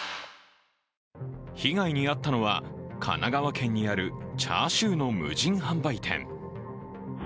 被害に遭ったのは、神奈川県にあるチャーシューの無人販売店。